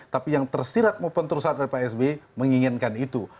tapi yang tersirat maupun terusan dari pak sby menginginkan itu